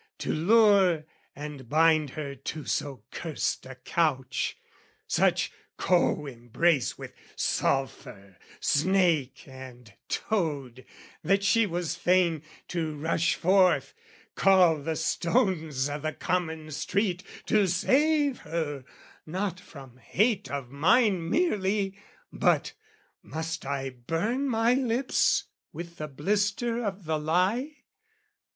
To lure and bind her to so cursed a couch, Such co embrace with sulphur, snake and toad, That she was fain to rush forth, call the stones O' the common street to save her, not from hate Of mine merely, but...must I burn my lips With the blister of the lie?...